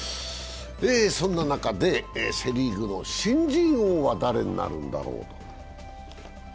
そんな中でセ・リーグの新人王は誰になるんだろう。